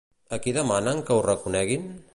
A qui demanen que ho reconeguin?